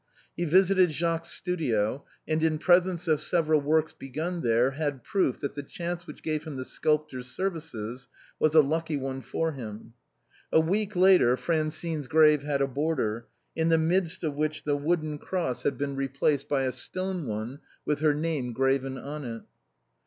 IJe visited Jacques's studio, and in presence of several works, begun there, had proof that the chance which gave him the sculptor's ser vices was a lucky one for him. A week later, Francine's grave had a border, in the midst of which the wooden cross had been replaced by a stone one with her name graven on it.